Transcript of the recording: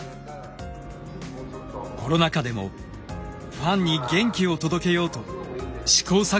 コロナ禍でもファンに元気を届けようと試行錯誤の毎日です。